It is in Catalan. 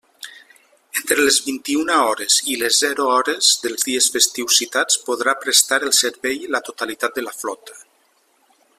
Entre les vint-i-una hores i les zero hores dels dies festius citats podrà prestar el servei la totalitat de la flota.